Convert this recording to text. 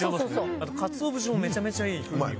あとかつお節もめちゃめちゃいい風味が。